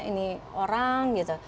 ini orang gitu